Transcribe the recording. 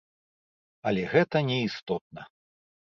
Але гэта не істотна.